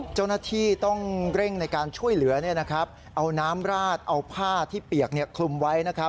เจ้าหน้าที่ต้องเร่งในการช่วยเหลือเอาน้ำราดเอาผ้าที่เปียกคลุมไว้